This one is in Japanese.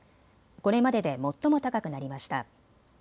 これまでで最も高くなりました。